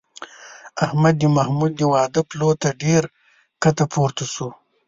احمد د محمود د واده پلو ته ډېر ښکته پورته شو.